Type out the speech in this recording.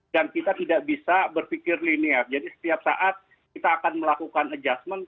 dan kita tidak bisa berpikir linear jadi setiap saat kita akan melakukan adjustment